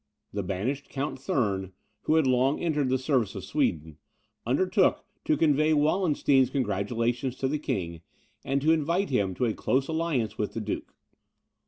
The banished Count Thurn, who had long entered the service of Sweden, undertook to convey Wallenstein's congratulations to the king, and to invite him to a close alliance with the duke.